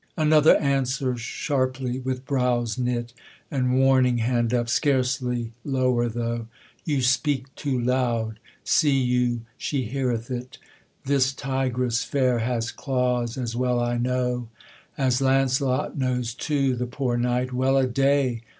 Another answer sharply with brows knit, And warning hand up, scarcely lower though: You speak too loud, see you, she heareth it, This tigress fair has claws, as I well know, As Launcelot knows too, the poor knight! well a day!